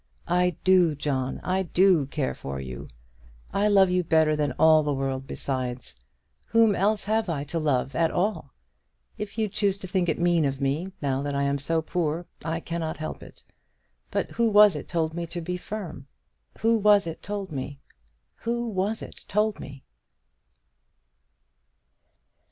"I do, John. I do care for you. I love you better than all the world besides. Whom else have I to love at all? If you choose to think it mean of me, now that I am so poor, I cannot help it. But who was it told me to be firm? Who was it told me? Who was it told me?"